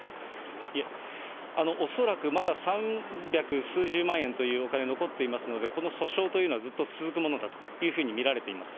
いえ、恐らくまだ三百数十万円というお金、残っていますので、この訴訟というのはずっと続くものだというふうに見られています。